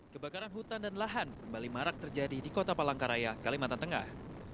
kebakaran hutan dan lahan kembali marak terjadi di kota palangkaraya kalimantan tengah